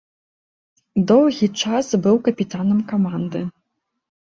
Доўгі час быў капітанам каманды.